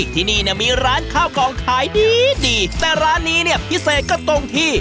ที่นี่มีร้านข้าวกล่องขายดีแต่ร้านนี้พิเศษก็ตรงที่